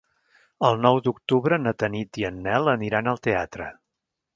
El nou d'octubre na Tanit i en Nel aniran al teatre.